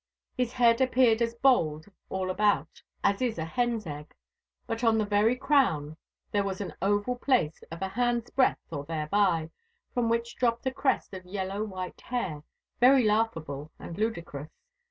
His head appeared as bald all about as is a hen's egg. But on the very crown there was an oval place of a hand's breadth or thereby, from which dropped a crest of yellow white hair, very laughable and ludicrous.